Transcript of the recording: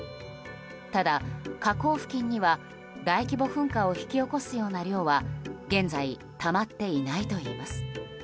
ただ、火口付近には大規模噴火を引き起こすような量は現在たまっていないといいます。